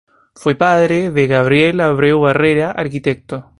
Fue padre de Gabriel Abreu Barrera, arquitecto.